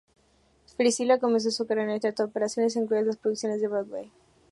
Priscilla comenzó su carrera en el teatro de operaciones, incluidas las producciones de Broadway.